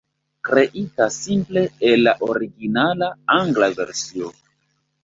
Kreita simple el la originala angla versio.